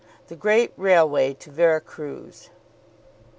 THE GREAT RAILWAY TO VERA CRUZ.